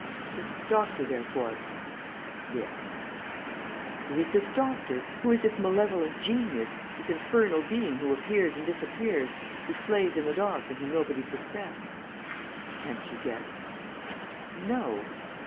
"The doctor, therefore?" "Yes." "But who is this doctor? Who is this malevolent genius, this infernal being who appears and disappears, who slays in the dark and whom nobody suspects?" "Can't you guess?" "No."